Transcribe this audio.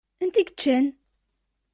Anta i yeččan?